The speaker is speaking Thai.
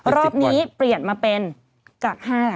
รอบนี้เปลี่ยนมาเป็นกัก๕